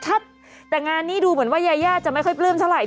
แต่งานนี้ดูเหมือนว่ายายาจะไม่ค่อยปลื้มเท่าไห